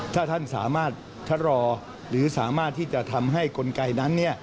ถ้าท่านสามารถชะลอหรือสามารถที่จะทำให้กลไกนั้น